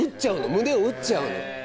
胸を打っちゃうの。